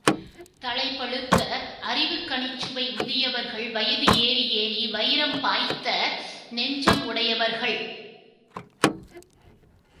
தலை பழுத்த அறிவுக் கணிச்சுவை முதியவர்கள் வயது ஏறி ஏறி வயிரம் பாய்த்த நெஞ்சமுடையவர்கள்!